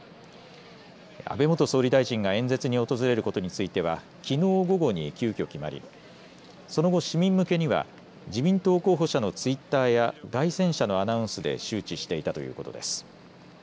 安倍元総理大臣が演説に訪れることについてはきのう午後に急きょ決まりその後、市民向けには自民党候補者のツイッターや街宣車のアナウンスで周知していたということです。